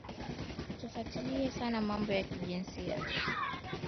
Tufwatiriye sana mambo ya ba mama na urimaji